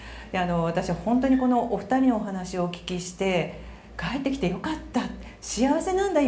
私は本当にこのお二人にお話をお聞きして帰ってきて良かった幸せなんだ